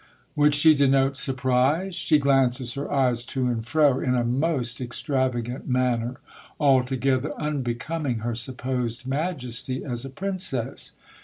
Would she denote surprise ? she glances her eyes to and fro in a most extravagant manner, altogether unbecoming her supposed majesty as a princess.